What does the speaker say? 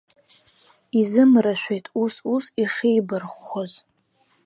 Изымрашәеит, ус-ус ишеибарххоз.